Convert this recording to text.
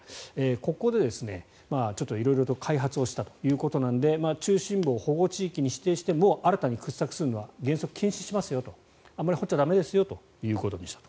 ここで色々と開発したということなので中心部を保護地域に指定して新たに掘削するのは原則禁止ですとあまり掘っちゃ駄目ですよということにしたと。